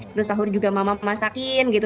terus sahur juga mama masakin gitu